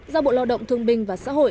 giao bộ lo động thương bình và xã hội